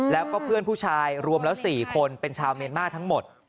แล้วก็เพื่อนผู้ชายรวมแล้ว๔คนเป็นชาวเมียนมาร์ทั้งหมด